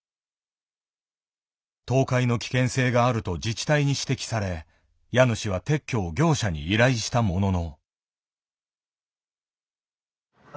倒壊の危険性があると自治体に指摘され家主は撤去を業者に依頼したものの。